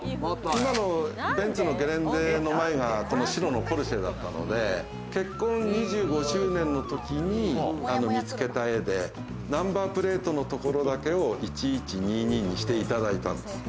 今のベンツのゲレンデの前がこの白のポルシェだったので、結婚２５周年のときに見つけた絵で、ナンバープレートのところだけを１１２２にしていただいたんです。